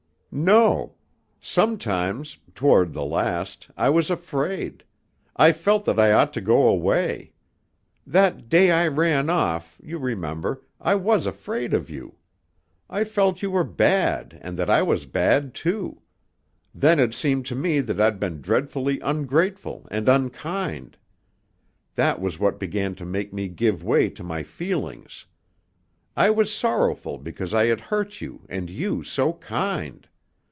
"No. Sometimes, toward the last, I was afraid. I felt that I ought to go away. That day I ran off you remember I was afraid of you. I felt you were bad and that I was bad too. Then it seemed to me that I'd been dreadfully ungrateful and unkind. That was what began to make me give way to my feelings. I was sorrowful because I had hurt you and you so kind!